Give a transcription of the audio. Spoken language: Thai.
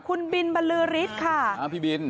คุณบินบรรลือฤทธิ์ค่ะอ่าพี่บิน